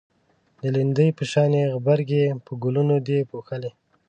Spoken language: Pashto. د لیندۍ په شانی غبرگی په گلونو دی پوښلی